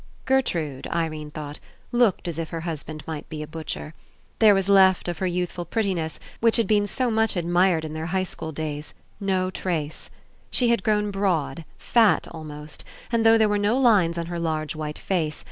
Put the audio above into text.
Gertrude, Irene thought, looked as If her husband might be a butcher. There was left 57 PASSING of her youthful prettiness, which had been so much admired In their high school days, no trace. She had grown broad, fat almost, and though there were no lines on her large white face.